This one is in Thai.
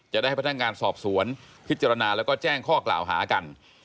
จะได้ให้พนักงานสอบสวนพิจารณาแล้วก็แจ้งข้อกล่าวหากัน